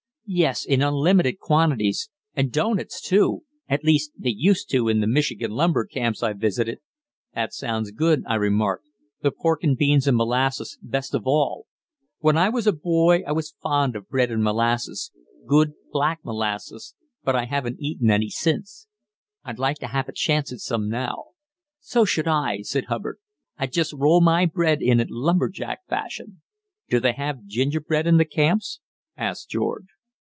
"Yes, in unlimited quantities; and doughnuts, too at least they used to in the Michigan lumber camps I've visited." "That sounds good," I remarked "the pork and beans and molasses, best of all. When I was a boy I was fond of bread and molasses good, black molasses but I haven't eaten any since. I'd like to have a chance at some now." "So should I," said Hubbard; "I'd just roll my bread in it lumberjack fashion." "Do they have gingerbread in the camps?" asked George.